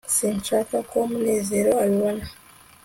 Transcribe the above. sinshaka ko munezero abibona